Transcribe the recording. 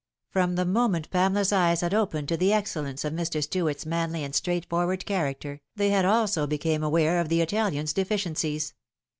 From the moment Pamela's eyes had opened to the excellence of Mr. Stuart's manly and straightforward character, they had also became aware of the Italian's deficiencies.